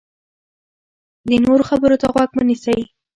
د نورو خبرو ته غوږ نه نیسي.